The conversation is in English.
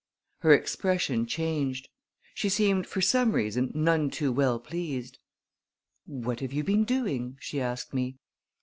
Her expression changed. She seemed, for some reason, none too well pleased. "What have you been doing?" she asked me.